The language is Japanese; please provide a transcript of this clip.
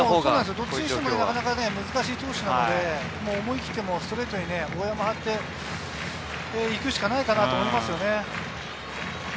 どちらにしても難しい投手なので、思い切ってストレートにはっていくしかないと思いますね。